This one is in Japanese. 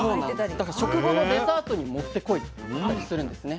だから食後のデザートにもってこいだったりするんですね。